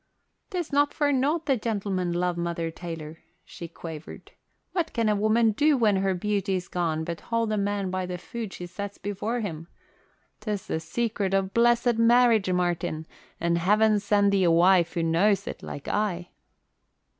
"'Tis not for nought the gentlemen love Mother Taylor," she quavered. "What can a woman do when her beauty's gone but hold a man by the food she sets before him? 'Tis the secret of blessed marriage, Martin, and heaven send thee a wife as knows it like I!"